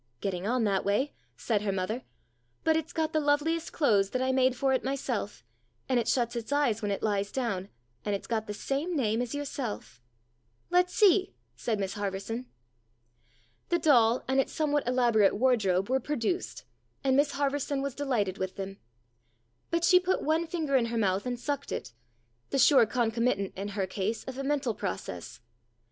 " Getting on that way," said her mother. " But it's got the loveliest clothes that I made for it myself, and it shuts its eyes when it lies down, and it's got the same name as yourself." " Let's see," said Miss Harverson. The doll and its somewhat elaborate wardrobe were produced, and Miss Harverson was delighted with them. But she put one finger in her mouth and sucked it the sure concomitant in her case of a mental process.